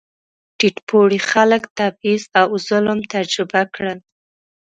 ټیټ پوړي خلک تبعیض او ظلم تجربه کړل.